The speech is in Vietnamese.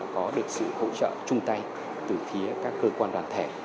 có được sự hỗ trợ chung tay từ phía các cơ quan đoàn thể